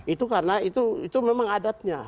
itu karena itu memang adatnya